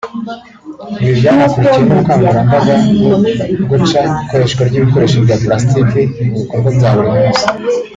Ibi byanakurikiwe n’ubukangurambaga bwo guca ikoreshwa ry’ibikoresho bya pulasitiki mu bikorwa bya buri munsi